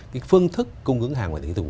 cái phương thức cung ứng hàng ngoài tỉnh dùng